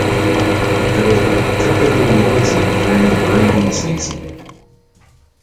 It is particularly noisy during the breeding season.